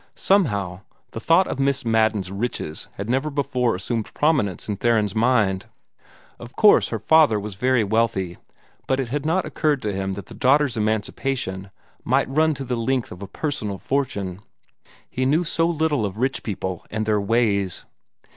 Somehow, the thought of Miss Madden's riches had never before assumed prominence in Theron's mind. Of course her father was very wealthy, but it had not occurred to him that the daughter's emancipation might run to the length of a personal fortune. He knew so little of rich people and their ways!